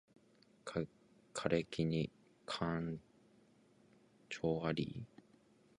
枯木に寒鴉あり